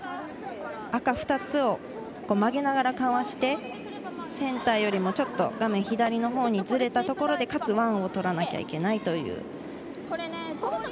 赤２つを曲げながらかわしてセンターよりもちょっと画面左のほうにずれたところでかつ、ワンをとらなきゃいけないという。